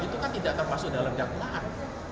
itu kan tidak termasuk dalam dakwaan